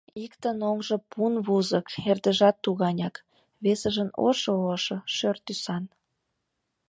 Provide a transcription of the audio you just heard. Иктын оҥжо пун вузык, эрдыжат туганяк, весыжын ошо-ошо — шӧр тӱсан.